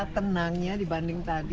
tenangnya dibanding tadi